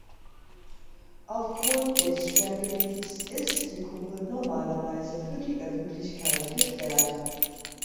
Aufgrund des Sperrgebiets ist die Kuppe normalerweise für die Öffentlichkeit gesperrt.